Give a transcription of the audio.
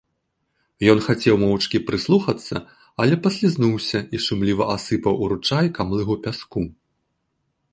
Ён хацеў моўчкі прыслухацца, але паслізнуўся і шумліва асыпаў у ручай камлыгу пяску.